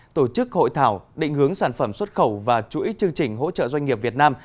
tổ chức hội thảo định hướng sản phẩm xuất khẩu và chuỗi chương trình hỗ trợ doanh nghiệp việt nam